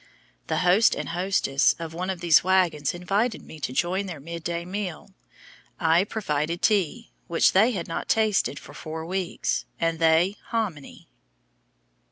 The host and hostess of one of these wagons invited me to join their mid day meal, I providing tea (which they had not tasted for four weeks) and they hominy.